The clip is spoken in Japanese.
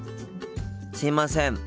すいません。